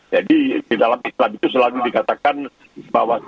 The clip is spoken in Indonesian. jadi di dalam islam itu selalu dikatakan bahwa sufisme